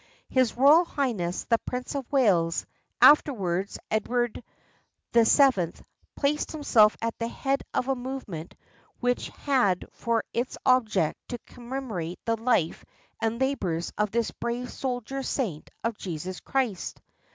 His Royal Highness the Prince of Wales — afterwards Edward VII — placed himself at the head of a movement which had for its object to commemorate the life and labors of this brave soldier saint of Jesus Christ.